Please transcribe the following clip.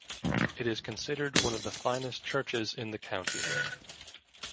It is considered one of the finest churches in the county.